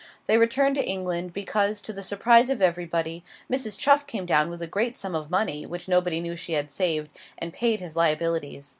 They returned to England, because, to the surprise of everybody, Mrs. Chuff came down with a great sum of money (which nobody knew she had saved), and paid his liabilities.